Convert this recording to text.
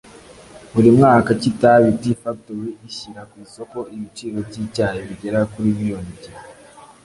Buri mwaka Kitabi Tea Factory ishyira ku isoko ibiro by’icyayi bigera kuri miliyoni ebyiri